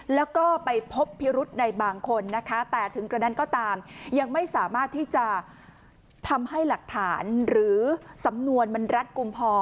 แล้วก็ไปพบพิรุธในบางคนนะคะแต่ถึงกระนั้นก็ตามยังไม่สามารถที่จะทำให้หลักฐานหรือสำนวนมันรัดกลุ่มพอ